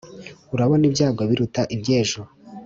urabona ibyago biruta iby’ejo